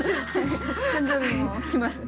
誕生日も来ました。